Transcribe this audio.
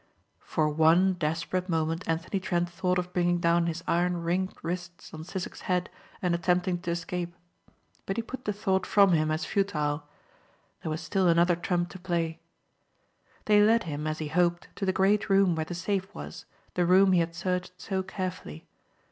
For one desperate moment Anthony Trent thought of bringing down his iron ringed wrists on Sissek's head and attempting to escape. But he put the thought from him as futile. There was still another trump to play. They led him, as he hoped, to the great room where the safe was, the room he had searched so carefully.